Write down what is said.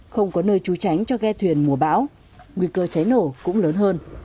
không có nơi trú tránh cho ghe thuyền mùa bão nguy cơ cháy nổ cũng lớn hơn